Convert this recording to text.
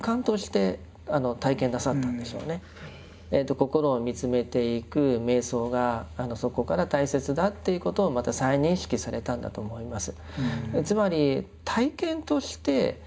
心を見つめていく瞑想がそこから大切だっていうことをまた再認識されたんだと思います。